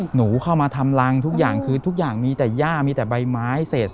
หนูเข้ามาทำรังทุกอย่างคือทุกอย่างมีแต่หญ้ามีแต่ใบไม้โตรจะซากกระดูก